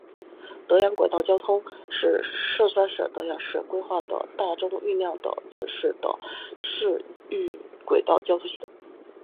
德阳轨道交通是四川省德阳市规划的大中运量的城市及市域轨道交通系统。